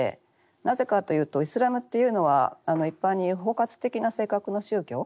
なぜかというとイスラムというのは一般に包括的な性格の宗教。